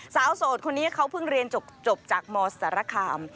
โสดคนนี้เขาเพิ่งเรียนจบจากมสารคาม